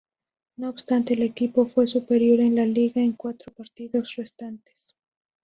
No obstante, el equipo fue superior en la liga con cuatro partidos restantes.